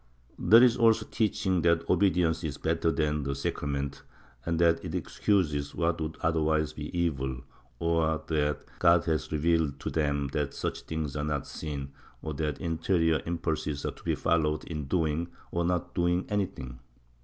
There is also teaching that obedience is better than the sacrament and that it excuses what would otherwise be evil, or that God has revealed to them that such things are not sin, or that interior impulses are to be followed in doing or not doing anything.